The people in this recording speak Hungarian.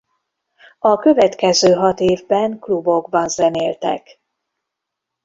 A következő hat évben klubokban zenéltek.